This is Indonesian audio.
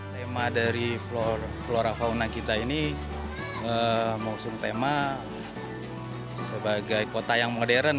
tema dari flora fauna kita ini mengusung tema sebagai kota yang modern